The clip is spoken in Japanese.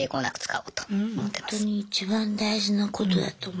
ほんとに一番大事なことだと思いますよ。